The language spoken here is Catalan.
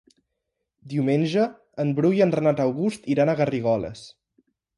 Diumenge en Bru i en Renat August iran a Garrigoles.